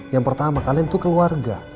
yang pertama kalian itu keluarga